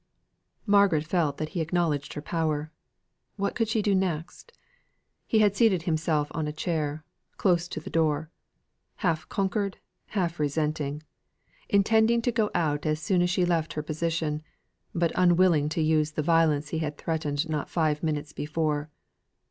Margaret felt that he acknowledged her power. What could she do next? He had seated himself on a chair, close to the door; half conquered half resenting; intending to go out as soon as she left her position, but unwilling to use the violence he had threatened not five minutes before.